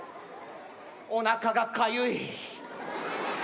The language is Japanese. おなかがかゆい。